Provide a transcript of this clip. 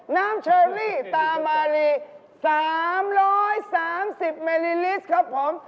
น้ำเชอรี่ตามารี๓๓๐มิลลิลิตรครับผม